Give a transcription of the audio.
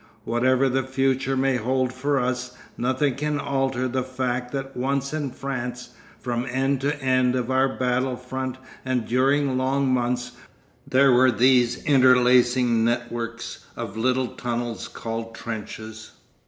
Whatever the future may hold for us, nothing can alter the fact that once in France, from end to end of our battle front and during long months, there were these interlacing networks of little tunnels called trenches.